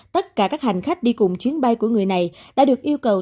tất cả các hành khách đi cùng chuyến bay của người này đã được yêu cầu